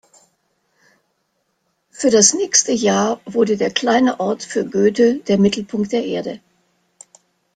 Für das nächste Jahr wurde der kleine Ort für Goethe der „Mittelpunkt der Erde“.